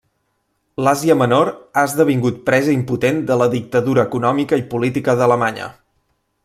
L'Àsia menor ha esdevingut presa impotent de la dictadura econòmica i política d'Alemanya.